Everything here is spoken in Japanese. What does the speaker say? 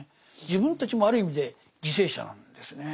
自分たちもある意味で犠牲者なんですね。